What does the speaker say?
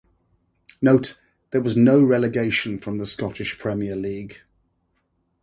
Note: There was no relegation from the Scottish Premier League.